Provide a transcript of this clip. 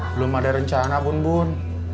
belum ada rencana pun bun